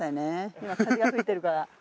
今風が吹いてるから。